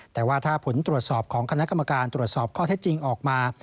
แต่ว่าถ้าผลตรวจสอบของคณะกรรมการตรวจสอบข้อเท็จจริงออกมา